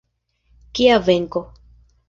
Kia venko.